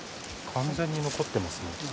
完全に残ってますね。